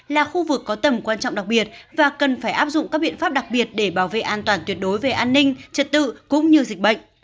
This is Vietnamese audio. là khu vực có tầm quan trọng đặc biệt và cần phải áp dụng các biện pháp đặc biệt để bảo vệ an toàn tuyệt đối về an ninh trật tự cũng như dịch bệnh